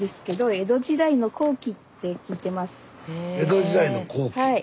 江戸時代の後期。